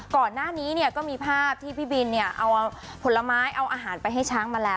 ก่อนหน้านี้เนี่ยก็มีภาพที่พี่บินเนี่ยเอาผลไม้เอาอาหารไปให้ช้างมาแล้ว